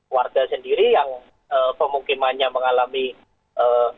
warga sendiri yang pemukimannya mengalami ee